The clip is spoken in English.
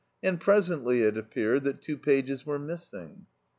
And presently it appeared that two pages were missing.